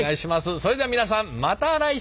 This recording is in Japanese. それでは皆さんまた来週。